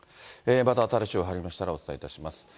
また新しい情報が入りましたらお伝えいたします。